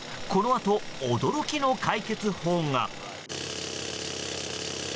このあと驚きの解決法が。